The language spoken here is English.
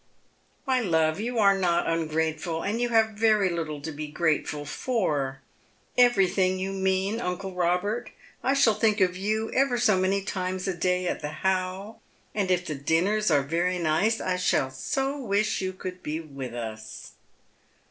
" My love, you are not ungrateful, and you have very little to be grateful for." " Everything you mean, uncle Robert. I shall think of you ever so many times a day at the How ; and if the dinners are very nice I shall so wish you could be with us."